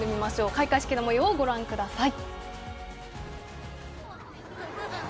開会式のもようをご覧ください。